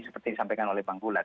seperti disampaikan oleh bang bulat